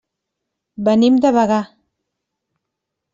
Venim de Bagà.